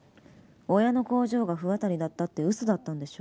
親の工場が不渡りだったって嘘だったんでしょ？